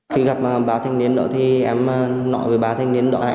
khi gặp bà thanh niên đó thì em nói với bà thanh niên đó là